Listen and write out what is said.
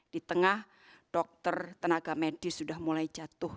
di tengah dokter tenaga medis sudah mulai jatuh